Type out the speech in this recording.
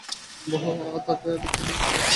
বোহ, তাকে দেখতে পেলে নাকি?